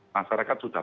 masyarakat sudah paham